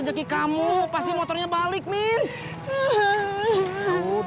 bisa gue kemah sama ada yang aku nasib